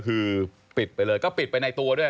คือปิดไปเลยก็ปิดไปในตัวด้วย